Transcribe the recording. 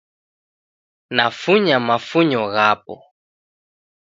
Nafunya mafunyo ghapo